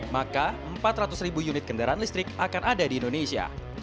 maka empat ratus ribu unit kendaraan listrik akan ada di indonesia